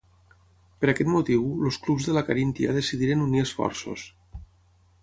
Per aquest motiu els clubs de la Caríntia decidiren unir esforços.